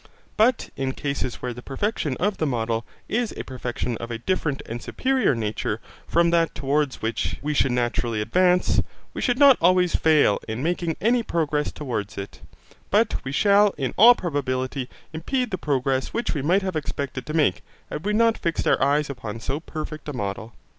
But in cases where the perfection of the model is a perfection of a different and superior nature from that towards which we should naturally advance, we shall not always fail in making any progress towards it, but we shall in all probability impede the progress which we might have expected to make had we not fixed our eyes upon so perfect a model.